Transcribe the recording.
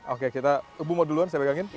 oke kita ibu mau duluan saya pegangin